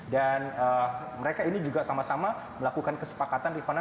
dan mereka ini juga sama sama melakukan kesepakatan rifana